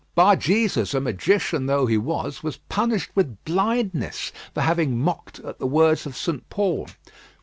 Barjesus, a magician though he was, was punished with blindness for having mocked at the words of St. Paul.